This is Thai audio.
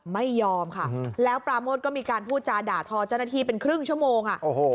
ไม่ยอมค่ะแล้วปราโมทก็มีการพูดจาด่าทอเจ้าหน้าที่เป็นครึ่งชั่วโมง